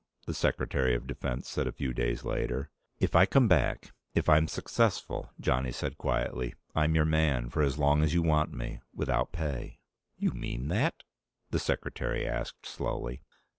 the Secretary of Defense said a few days later. "If I come back, if I'm successful," Johnny said quietly, "I'm your man, for as long as you want me, without pay." "You mean that?" the Secretary asked slowly.